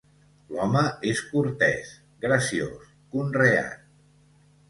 L'home és cortès, graciós, conreat.